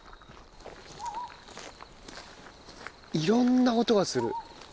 いろんな音がする。